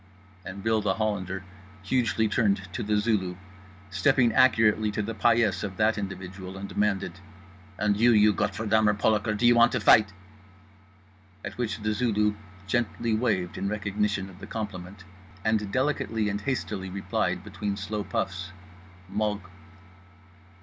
_" And Bill The Hollander hugely turned to The Zulu, stepping accurately to the paillasse of that individual, and demanded: "And you, you Gottverdummer Polaker, do you want t' fight?" at which The Zulu gently waved in recognition of the compliment and delicately and hastily replied, between slow puffs: "_Mog.